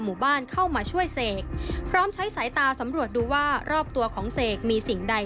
หมู่บ้านเข้ามาช่วยเสกพร้อมใช้สายตาสำรวจดูว่ารอบตัวของเสกมีสิ่งใด